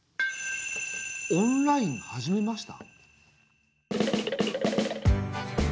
「オンラインはじめました」？